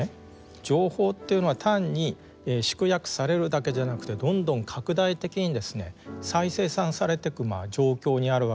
情報っていうのは単に縮約されるだけじゃなくてどんどん拡大的に再生産されてく状況にあるわけなんですね。